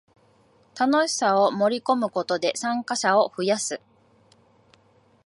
楽しさを盛りこむことで参加者を増やす